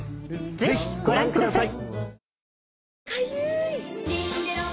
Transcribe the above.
ぜひご覧ください。